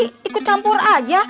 tidak ada apa apa